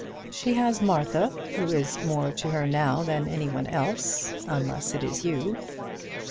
"She has Martha, who is more to her now than any one else, unless it is you."